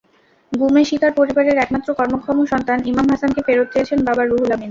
গুমের শিকার পরিবারের একমাত্র কর্মক্ষম সন্তান ইমাম হাসানকে ফেরত চেয়েছেন বাবা রুহুল আমিন।